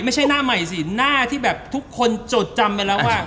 ไม่ใช่หน้าใหม่สิหน้าที่แบบทุกคนจดจำไปแล้วอ่ะ